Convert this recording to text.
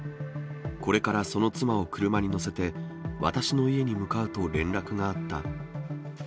これからその妻を車に乗せて、私の家に向かうと連絡があった。